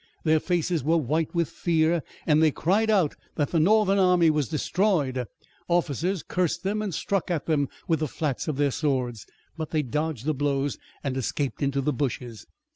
Their faces were white with fear and they cried out that the Northern army was destroyed. Officers cursed them and struck at them with the flats of their swords, but they dodged the blows and escaped into the bushes.